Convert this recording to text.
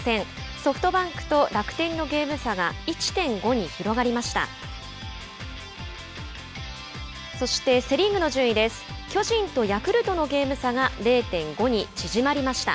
ソフトバンクと楽天のゲーム差が１．５に広がりました。